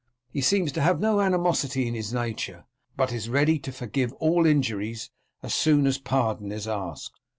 He seems to have no animosity in his nature, but is ready to forgive all injuries as soon as pardon is asked."